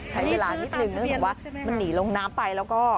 ใช้เวลานิดนึงเนื่องจากว่ามันหนีลงน้ำไปแล้วก็